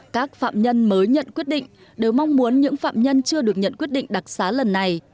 các phạm nhân mới nhận quyết định đều mong muốn những phạm nhân chưa được nhận quyết định đặc xá lần này